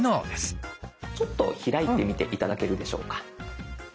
ちょっと開いてみて頂けるでしょうか？